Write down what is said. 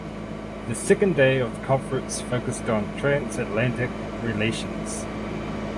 The second day of the conference focused on transatlantic relations.